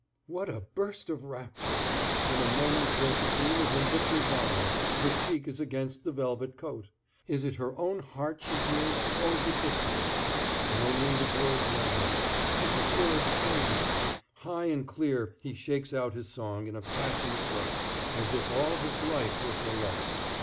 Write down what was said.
What a burst of rapture! In a moment Josephine is in Victor's arms, her cheek is against the velvet coat. Is it her own heart she hears, or is it Victor's? No need of words now. How the bird sings! High and clear he shakes out his song in a passionate burst, as if all his life were for love.